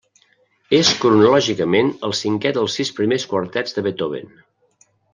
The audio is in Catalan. És cronològicament el cinquè dels sis primers quartets de Beethoven.